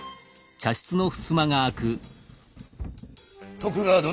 徳川殿。